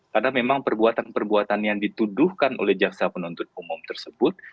karena memang perbuatan perbuatan yang dituduhkan oleh jaksa penuntut umum tersebut